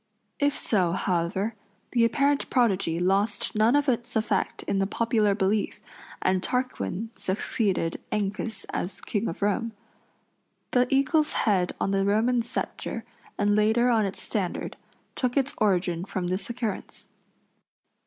If so, however, the apparent prodigy lost none of its effect in the popular belief, and Tarquin succeeded Ancus as King of Rome. The eagle's head on the Roman sceptre, and later on its standard, took its origin from this occurrence.